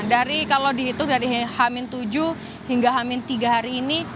dari kalau dihitung dari hamin tujuh hingga hamin tiga hari ini